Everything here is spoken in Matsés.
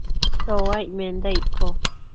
chouaic menda icco ?